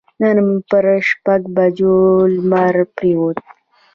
نن پر شپږ بجو لمر پرېوت.